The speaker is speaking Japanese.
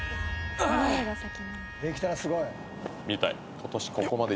「できたらすごい」「見たい。